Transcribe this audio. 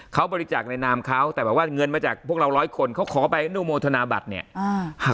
เขาบริจาคในนามเขาแต่แบบว่าเงินมาจากพวกเราร้อยคนเขาขอไปอนุโมทนาบัตรเนี่ย